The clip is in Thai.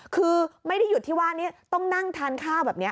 คือไม่ได้หยุดที่ว่านี้ต้องนั่งทานข้าวแบบนี้